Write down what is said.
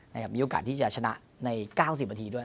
มีโอกาสที่จะชนะใน๙๐นาทีด้วย